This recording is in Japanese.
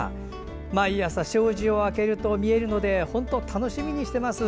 毎朝、障子を開けると見えるので本当、楽しみにしてます。